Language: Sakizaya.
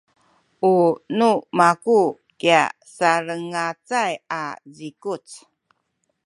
u nu maku kya sanglacay a zikuc.